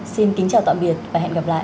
xin kính chào tạm biệt và hẹn gặp lại